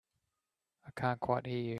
I can't quite hear you.